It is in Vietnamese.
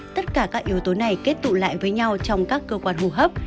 tất cả các yếu tố này kết tụ lại với nhau trong các cơ quan hô hấp